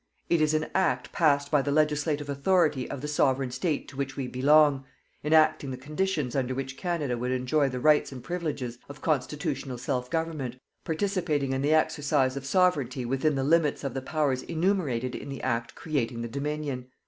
It is an Act passed by the Legislative authority of the Sovereign State to which we belong, enacting the conditions under which Canada would enjoy the rights and privileges of constitutional self government, participating in the exercise of Sovereignty within the limits of the powers enumerated in the Act creating the Dominion.